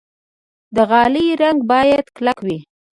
د غالۍ رنګ باید کلک وي.